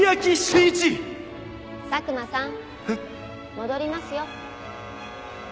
戻りますよ。